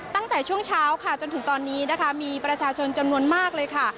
ตั้งแต่ช่วงเช้าค่ะจนถึงตอนนี้นะคะมีประชาชนจำนวนมากเลยค่ะ